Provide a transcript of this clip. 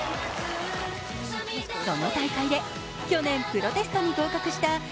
その大会で去年プロテストに合格した